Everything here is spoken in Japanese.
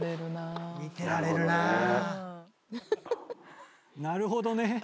「なるほどね」